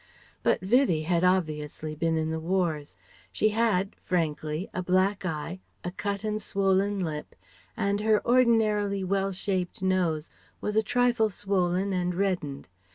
But Vivie had obviously been in the wars. She had frankly a black eye, a cut and swollen lip, and her ordinarily well shaped nose was a trifle swollen and reddened.